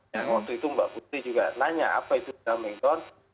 waktu itu mbak putri juga nanya apa itu terdumbing down